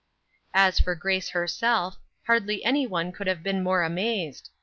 As for Grace herself, hardly any one could have been more amazed.